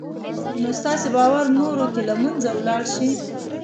نو ستاسې باور نورو کې له منځه وړلای شي